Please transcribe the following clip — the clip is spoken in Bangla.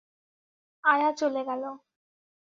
আয়া চলে গেল।